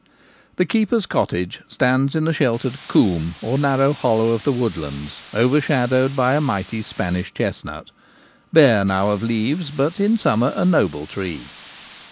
The keeper's cottage stands in a sheltered ' coombe/ or narrow hollow of the woodlands, overshadowed by a mighty Spanish chestnut, bare now of leaves, but in summer a noble tree.